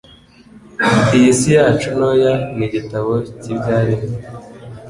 Iyi si yacu ntoya ni igitabo cy'ibyaremwe.